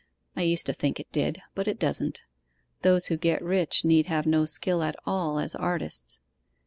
I used to think it did; but it doesn't. Those who get rich need have no skill at all as artists.